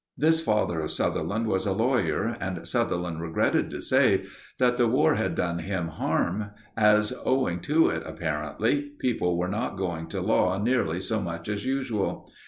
This father of Sutherland was a lawyer, and Sutherland regretted to say that the War had done him harm as, owing to it apparently, people were not going to law nearly so much as usual.